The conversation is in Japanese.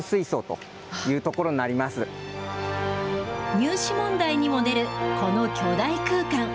入試問題にも出る、この巨大空間。